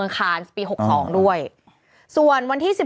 เป็นการกระตุ้นการไหลเวียนของเลือด